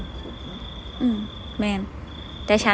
กินกัน